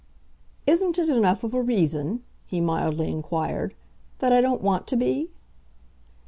"Isn't it enough of a reason," he mildly inquired, "that I don't want to be?"